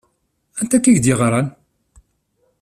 Anta i k-d-yeɣṛan?